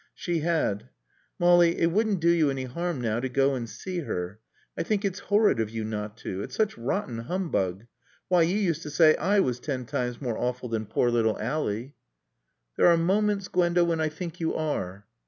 "She had. Molly it wouldn't do you any harm now to go and see her. I think it's horrid of you not to. It's such rotten humbug. Why, you used to say I was ten times more awful than poor little Ally." "There are moments, Gwenda, when I think you are."